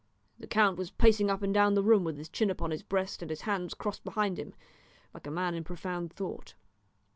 The count was pacing up and down the room with his chin upon his breast and his hands crossed behind him, like a man in profound thought.